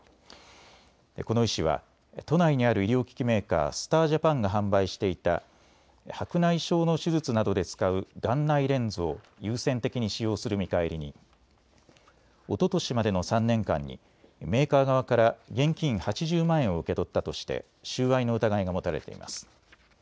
この医師は都内にある医療機器メーカー、スター・ジャパンが販売していた白内障の手術などで使う眼内レンズを優先的に使用する見返りにおととしまでの３年間にメーカー側から現金８０万円を受け取ったとして収賄の疑いが持たれています。